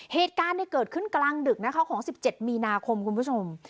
เหตุการณ์เกิดขึ้นกลางดึกนะคะของ๑๗มีนาคมคุณผู้ชม